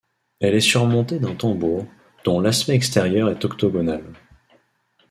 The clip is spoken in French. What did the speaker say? Elle est surmontée d'un tambour, dont l'aspect extérieur est octogonal.